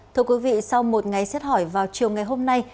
thưa quý vị sau một ngày xét hỏi vào chiều ngày hôm nay